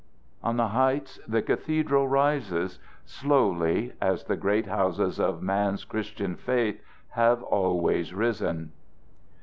On the heights the cathedral rises slowly, as the great houses of man's Christian faith have always risen.